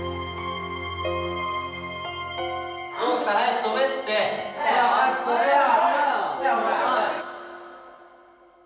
どうした？早く飛べって。早く飛べよ！